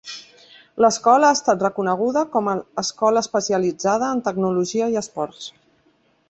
L'escola ha estat reconeguda com a escola especialitzada en tecnologia i esports.